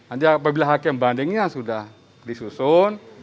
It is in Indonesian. nanti apabila hakim bandingnya sudah disusun